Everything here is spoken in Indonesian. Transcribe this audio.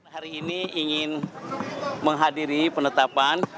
hari ini ingin menghadiri penetapan